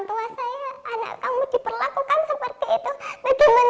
kamu mempunyai anak dan kamu mengalami hal yang sama seperti orang tua saya